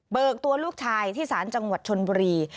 ตัวลูกชายที่สารจังหวัดชนบุรี